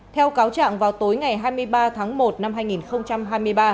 theo cáo trạng vào tối ngày hai mươi ba tháng một năm hai nghìn hai mươi ba